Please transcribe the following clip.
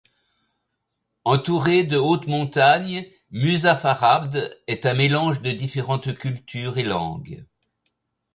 Entourée de hautes montagnes, Muzaffarabd est un mélange de différentes cultures et langues.